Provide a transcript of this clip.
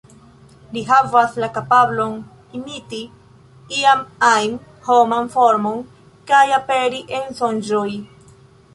Li havas la kapablon imiti ian-ajn homan formon kaj aperi en sonĝoj.